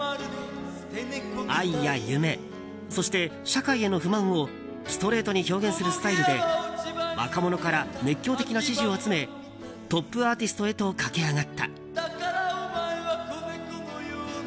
愛や夢、そして社会への不満をストレートに表現するスタイルで若者から熱狂的な支持を集めトップアーティストへと駆け上がった。